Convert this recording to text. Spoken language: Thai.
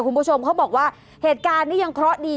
คุณผู้ชมเขาบอกว่าเหตุการณ์นี้ยังเคราะห์ดี